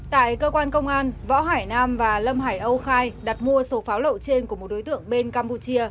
tại cơ quan công an võ hải nam và lâm hải âu khai đặt mua số pháo lậu trên của một đối tượng bên campuchia